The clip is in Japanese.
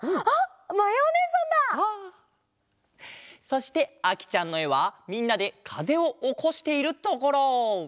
そしてあきちゃんのえはみんなでかぜをおこしているところ！